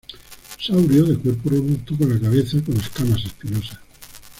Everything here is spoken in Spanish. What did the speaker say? Saurio de cuerpo robusto con la cabeza con escamas espinosas.